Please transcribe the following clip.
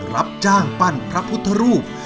รับจ้างปั้นพระพุทธรูป